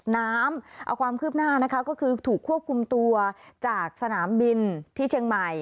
น้ำเอาความคืบหน้านะคะก็คือถูกควบคุมตัวจากสนามบินที่เชียงใหม่